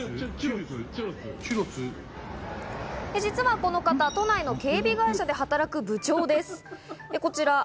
実はこの方、都内の警備会社で働く部長です。